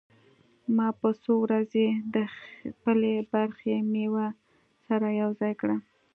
ما به څو ورځې د خپلې برخې مېوه سره يوځاى کړه.